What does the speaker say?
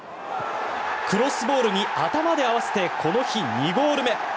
クロスボールに頭で合わせてこの日２ゴール目。